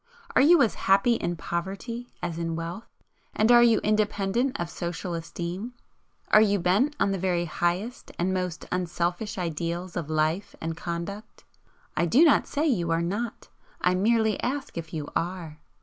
are you as happy in poverty as in wealth, and are you independent of social esteem? Are you bent on the very highest and most unselfish ideals of life and conduct? I do not say you are not; I merely ask if you ARE.